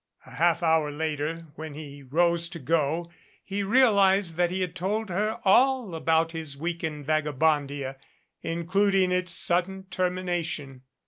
A half hour later, when he rose to go, he realized that he had told her all about his week in Vagabondia, including its sudden termination.